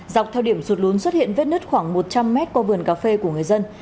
dọc theo điểm sụt lún xuất hiện vết nứt khoảng một trăm linh mét qua vườn cà phê của người dân